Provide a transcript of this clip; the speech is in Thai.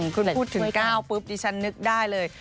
คุณพูดถึง๙ปุ๊บดิฉันนึกได้เลย